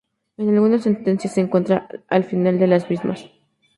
En algunas sentencias se encuentra al final de las mismas.